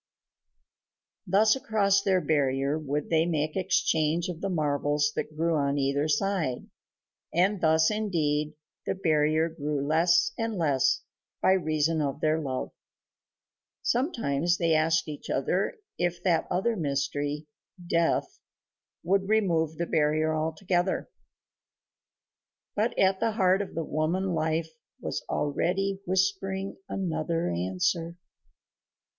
Thus across their barrier would they make exchange of the marvels that grew on either side, and thus, indeed, the barrier grew less and less by reason of their love. Sometimes they asked each other if that other mystery, Death, would remove the barrier altogether.... But at the heart of the woman Life was already whispering another answer.